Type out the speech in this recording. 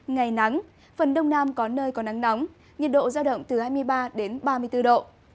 ngày nắng phần đông nam có nơi có nắng nóng nhiệt độ giao động từ hai mươi ba đến ba mươi bốn độ